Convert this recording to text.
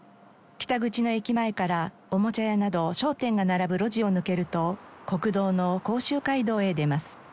北口の駅前からおもちゃ屋など商店が並ぶ路地を抜けると国道の甲州街道へ出ます。